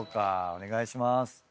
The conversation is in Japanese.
お願いします。